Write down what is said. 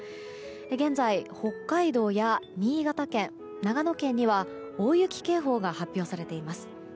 現在、北海道や新潟県、長野県には大雪警報が発表されています。